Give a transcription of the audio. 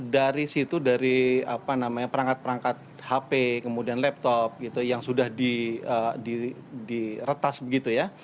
dari situ dari perangkat perangkat hp kemudian laptop yang sudah diretas begitu ya